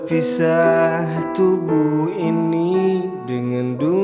pausen sudah tidak ada